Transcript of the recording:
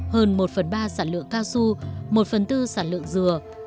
hơn một phần ba sản lượng cashew một phần bốn sản lượng dừa